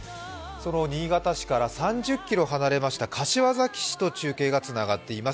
その新潟市から３０ｋｍ離れました柏崎市と中継がつながっています。